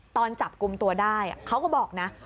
ตอนจับกลุ่มตัวได้เขาก็บอกนะ